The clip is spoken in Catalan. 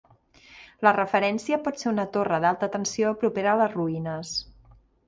La referència pot ser una torre d'alta tensió propera a les ruïnes.